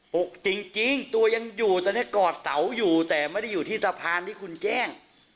กจริงตัวยังอยู่ตอนนี้กอดเสาอยู่แต่ไม่ได้อยู่ที่สะพานที่คุณแจ้ง